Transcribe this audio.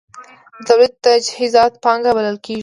د تولید تجهیزات پانګه بلل کېږي.